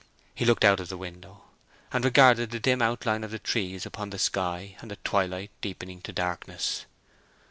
He looked out of the window, and regarded the dim outline of the trees upon the sky, and the twilight deepening to darkness.